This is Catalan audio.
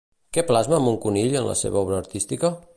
Què plasma Moncunill en la seva obra artística?